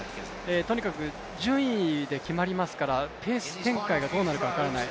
とにかく順位で決まりますから、ペース、展開がどうなるか分からない。